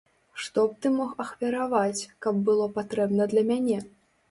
Што б ты мог ахвяраваць, каб было патрэбна для мяне?